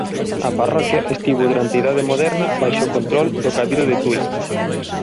A parroquia estivo durante a Idade Moderna baixo control do Cabido de Tui.